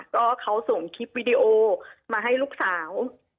ก็เขาส่งคลิปวิดีโอมาให้ลูกสาว